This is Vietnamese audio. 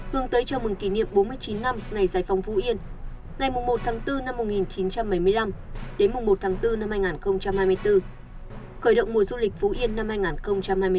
hướng tới chào mừng kỷ niệm bốn mươi chín năm ngày giải phóng phú yên ngày một tháng bốn năm một nghìn chín trăm bảy mươi năm đến mùng một tháng bốn năm hai nghìn hai mươi bốn khởi động mùa du lịch phú yên năm hai nghìn hai mươi bốn